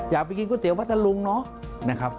อยากไปกูเตี๋ยววัสลุงเนอะ